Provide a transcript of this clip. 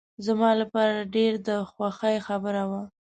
زما لپاره ډېر د خوښۍ خبره وه.